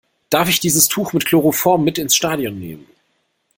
Darf ich dieses Tuch mit Chloroform mit ins Stadion nehmen?